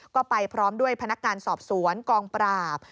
ก็ไปพร้อมด้วยพนักงานสอบสวนกองปราบ